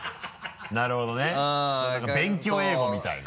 なるほどね勉強英語みたいな。